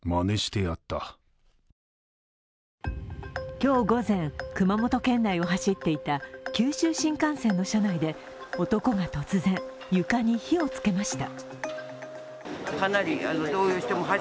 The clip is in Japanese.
今日午前、熊本県内を走っていた九州新幹線の車内で男が突然、床に火をつけました。